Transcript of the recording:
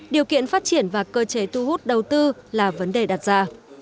điều kiện phát triển và cơ chế tu hút đầu tư là vấn đề đặt ra